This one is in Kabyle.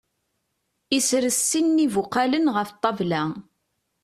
Isres sin n ibuqalen ɣef ṭṭabla.